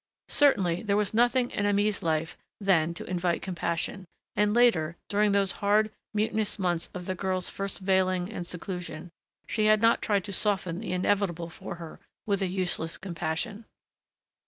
Certainly there was nothing in Aimée's life then to invite compassion, and later, during those hard, mutinous months of the girl's first veiling and seclusion, she had not tried to soften the inevitable for her with a useless compassion.